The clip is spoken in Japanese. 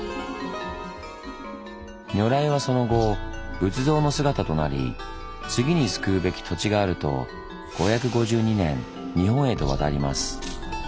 如来はその後仏像の姿となり次に救うべき土地があると５５２年日本へと渡ります。